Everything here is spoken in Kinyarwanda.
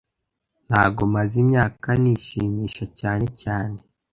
Ntago maze imyaka nishimisha cyane cyane